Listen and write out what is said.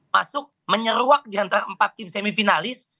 masuk menyeruak di antara empat tim semifinalis